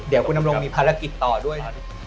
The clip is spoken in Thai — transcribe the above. เดี๋ยวคุณดำรงมีภารกิจต่อด้วยครับ